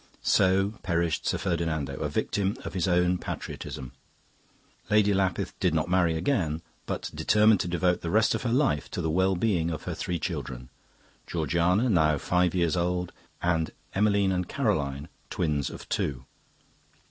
So perished Sir Ferdinando, a victim to his own patriotism. Lady Lapith did not marry again, but determined to devote the rest of her life to the well being of her three children Georgiana, now five years old, and Emmeline and Caroline, twins of two."